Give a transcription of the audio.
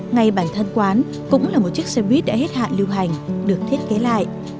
ngay bản thân quán cũng là một chiếc xe buýt đã hết hạn lưu hành được thiết kế lại